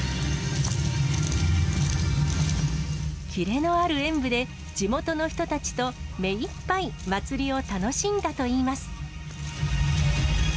キレのある演舞で、地元の人たちと目いっぱい祭りを楽しんだといいます。